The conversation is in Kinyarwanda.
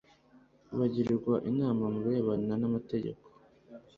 bagirwa inama mu birebana n amategeko